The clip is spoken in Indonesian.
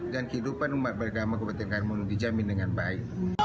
dan kehidupan umat beragama kementerian agama dijamin dengan baik